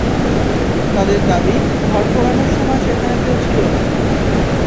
তাদের দাবি ঘর পোড়ানোর সময় সেখানে কেউ ছিল না।